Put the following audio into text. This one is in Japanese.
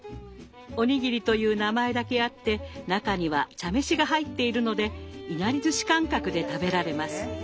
おにぎりという名前だけあって中には茶飯が入っているのでいなりずし感覚で食べられます。